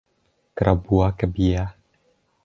กระบั้วกระเบี้ย